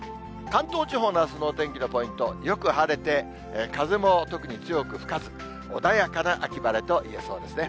関東地方のあすのお天気のポイント、よく晴れて、風も特に強く吹かず、穏やかな秋晴れと言えそうですね。